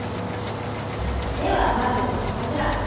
ではまずこちら。